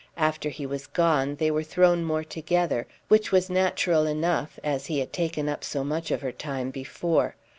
After he was gone they were thrown more together, which was natural enough, as he had taken up so much of her time before.